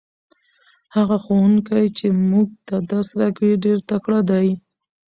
هغه ښوونکی چې موږ ته درس راکوي ډېر تکړه دی.